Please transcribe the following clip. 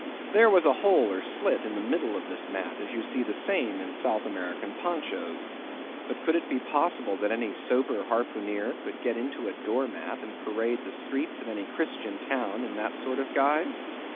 There was a hole or slit in the middle of this mat, as you see the same in South American ponchos. But could it be possible that any sober harpooneer would get into a door mat, and parade the streets of any Christian town in that sort of guise?